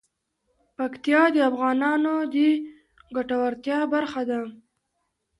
پکتیا د افغانانو د ګټورتیا برخه ده.